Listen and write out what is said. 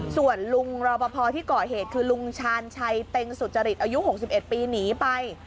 ส่วนลุงรอปภที่ก่อเหตุคือลุงชาญชัยเต็งสุจริตอายุ๖๑ปีหนีไป